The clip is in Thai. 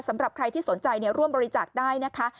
สำหรับใครที่สนใจร่วมบริจาคได้นะคะ